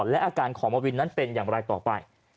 และอาการของมาวินนั้นเป็นอย่างไรต่อไป